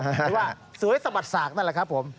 หรือว่าสวยสะบัดสากนั่นแหละครับผม